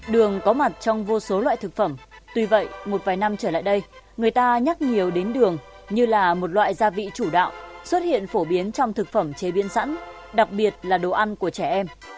đường có mặt trong vô số loại thực phẩm tuy vậy một vài năm trở lại đây người ta nhắc nhiều đến đường như là một loại gia vị chủ đạo xuất hiện phổ biến trong thực phẩm chế biến sẵn đặc biệt là đồ ăn của trẻ em